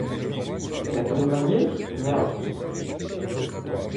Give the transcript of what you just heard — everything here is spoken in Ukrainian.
— Не признаєш, княже?